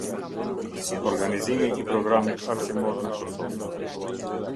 Organizimi i programit arsimor në Kosovë.